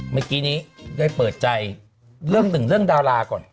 เมื่อกี้นี้ได้เปิดใจเรื่องหนึ่งเรื่องดาราก่อน